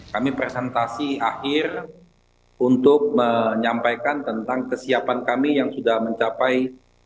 kami presentasi akhir untuk menyampaikan tentang kesiapan kami yang sudah mencapai